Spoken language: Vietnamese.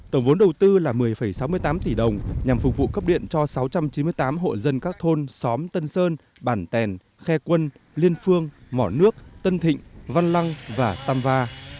tổng vốn đầu tư là một mươi sáu mươi tám tỷ đồng nhằm phục vụ cấp điện cho sáu trăm chín mươi tám hộ dân các thôn xóm tân sơn bản tèn khe quân liên phương mỏ nước tân thịnh văn lăng và tam va